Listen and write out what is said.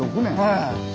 はい。